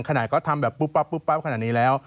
ขนาดเขาทำแบบปุ๊บปั๊บปุ๊บปั๊บขนาดนี้แล้ว